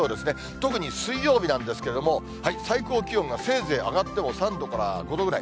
特に水曜日なんですけれども、最高気温が、せいぜい上がっても３度から５度ぐらい。